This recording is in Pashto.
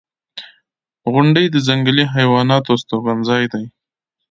• غونډۍ د ځنګلي حیواناتو استوګنځای دی.